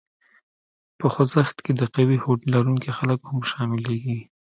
په خوځښت کې د قوي هوډ لرونکي خلک هم شامليږي.